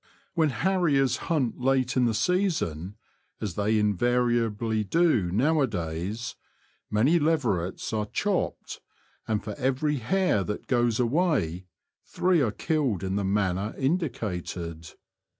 When harriers hunt late in the season — as they invariably do now a days — many leverets are ^' chopped," and for every hare that goes away three are killed in the manner in dicated.